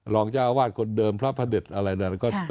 รองเจ้าอาวาสคนเดิมพระพระเด็จอะไรนะ